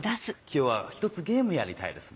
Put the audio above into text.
今日は１つゲームやりたいです